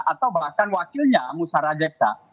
atau bahkan wakilnya musa rajaksa